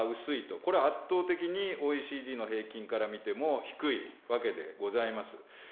これ圧倒的にＯＥＣＤの平均から見ても低いわけでございます。